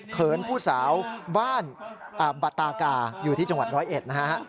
เขินผู้สาวบ้านบัตตากาอยู่ที่จังหวัดร้อยเอ็ดนะฮะ